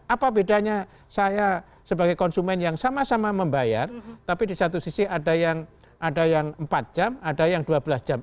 apa bedanya saya sebagai konsumen yang sama sama membayar tapi di satu sisi ada yang empat jam ada yang dua belas jam